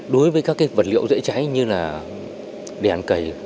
đối với các vật liệu dễ cháy như là đèn cầy